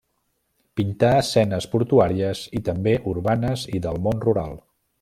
Pintà escenes portuàries i, també, urbanes i del món rural.